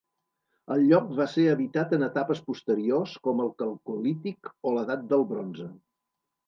El lloc va ser habitat en etapes posteriors com el calcolític o l'edat del bronze.